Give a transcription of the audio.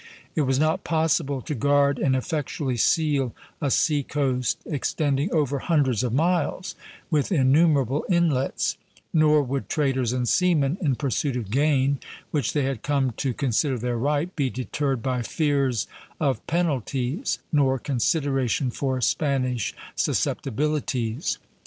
It was not possible to guard and effectually seal a sea coast extending over hundreds of miles, with innumerable inlets; nor would traders and seamen, in pursuit of gain which they had come to consider their right, be deterred by fears of penalties nor consideration for Spanish susceptibilities.